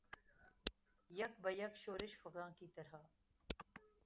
یک بیک شورش فغاں کی طرح